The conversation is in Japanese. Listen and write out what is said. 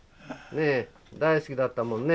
ねえ大好きだったもんね。